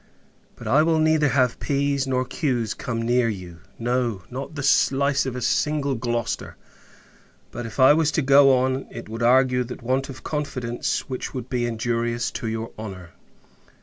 But, I will neither have P.'s nor Q.'s come near you! No; not the slice of Single Gloster! But, if I was to go on, it would argue that want of confidence which would be injurious to your honour.